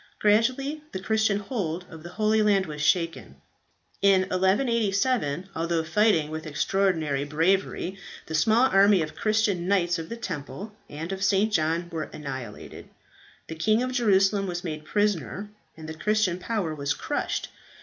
Gradually the Christian hold of the Holy Land was shaken. In 1187, although fighting with extraordinary bravery, the small army of Christian Knights of the Temple and of St. John were annihilated, the King of Jerusalem was made prisoner, and the Christian power was crushed.